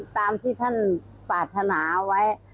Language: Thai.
ตามที่ท่านปรารถนาไว้